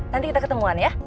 nanti kita ketemuan ya